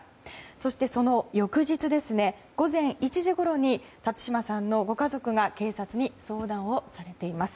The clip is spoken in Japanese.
そして、その翌日午前１時ごろに辰島さんのご家族が警察に相談をされています。